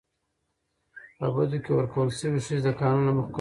په بدو کي ورکول سوي ښځي د قانون له مخي قرباني دي.